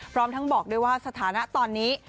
พร้อมทั้งบอกด้วยว่าสถานะตอนนี้